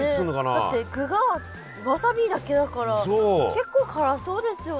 だって具がわさびだけだから結構辛そうですよね。